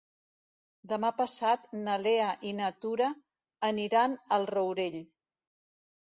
Demà passat na Lea i na Tura aniran al Rourell.